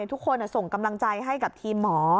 ทุกคนส่งกำลังใจให้กับทีมหมอ